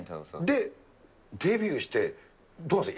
で、デビューして、どうなんですか？